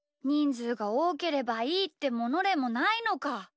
ずうがおおければいいってものでもないのか。